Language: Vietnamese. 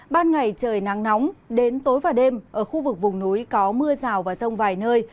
ban ngày trời nắng nóng đến tối và đêm ở khu vực vùng núi có mưa rào và rông vài nơi